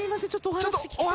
ちょっとお話。